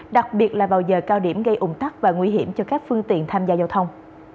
đặc biệt là vào giờ cao điểm gây ủng tắc và nguy hiểm cho các phương tiện tham gia giao thông